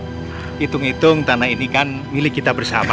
hitung hitung tanah ini kan milik kita bersama pak